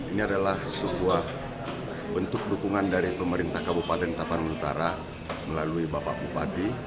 ini adalah sebuah bentuk dukungan dari pemerintah kabupaten tapanuli utara melalui bapak bupati